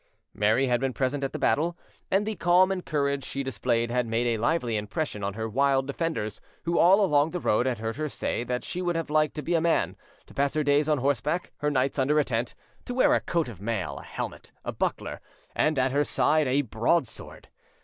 Mary had been present at the battle, and the calm and courage she displayed had made a lively impression on her wild defenders, who all along the road had heard her say that she would have liked to be a man, to pass her days on horseback, her nights under a tent, to wear a coat of mail, a helmet, a buckler, and at her side a broadsword.